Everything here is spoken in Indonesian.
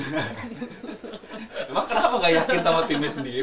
emang kenapa gak yakin sama timnya sendiri